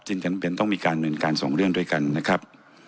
จำเป็นต้องมีการเนินการสองเรื่องด้วยกันนะครับ